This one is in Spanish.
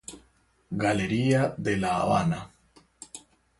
Galería de la Habana.